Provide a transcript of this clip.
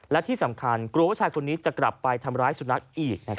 และที่สำคัญกลัวว่าชายคนนี้จะกลับไปทำร้ายสุนัขอีก